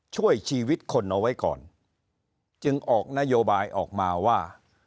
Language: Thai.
ช่วยชีวิตคนเอาไว้ก่อนจึงออกนโยบายออกมาว่า